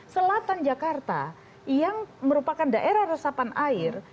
selatan jakarta yang merupakan daerah resapan air